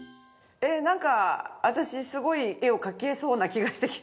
えっなんか私すごい絵を描けそうな気がしてきた。